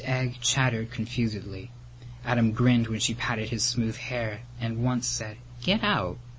Egg chattered confusedly. Adam grinned when she patted his smooth hair and once said "Get out!"